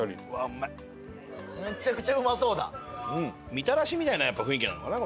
みたらしみたいなやっぱ雰囲気なのかな？